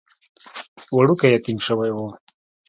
وړوکی يتيم شوی و.